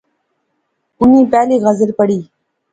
انی پہلی غزل پڑھی